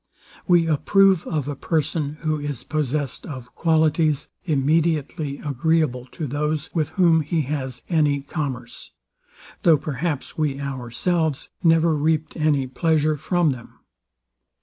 We approve of a person, who is possessed of qualities immediately agreeable to those, with whom he has any commerce; though perhaps we ourselves never reaped any pleasure from them.